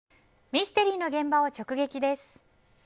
ミステリーの現場を直撃です。